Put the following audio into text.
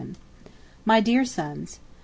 MY DEAR SONS: .